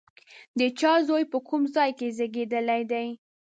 د چا زوی، په کوم ځای کې زېږېدلی دی؟